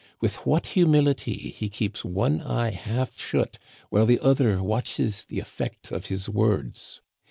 With what humility he keeps one eye half shut while the other watches the effect of his words.